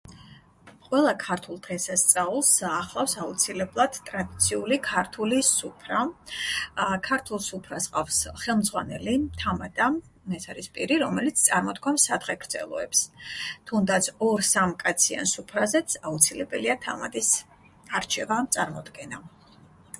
ყველა ქართულ დღესასწაულს ახლავს აუცილებლად ტრადიციული ქართული სუფრა ქართულ სუფრას ყავს ხელმძღვანელი თამადა ეს არის პირი რომელიც წარმოთქვამს სადღეგრძელოებს თუნდაც ორ სამ კაციან სუფრაზეც აუცილებელია თამადის არჩევა წარმოდგენა.